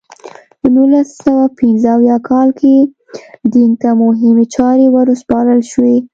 په نولس سوه پنځه اویا کال کې دینګ ته مهمې چارې ور وسپارل شوې.